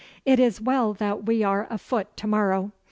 It is well that we are afoot to morrow.